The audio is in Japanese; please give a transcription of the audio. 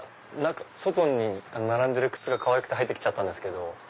外に並んでる靴がかわいくて入ってきちゃったんですけど。